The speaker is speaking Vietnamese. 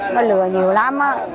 nó lừa nhiều lắm á